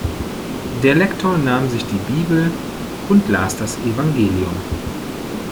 Der Lektor nahm sich die Bibel und las das Evangelium.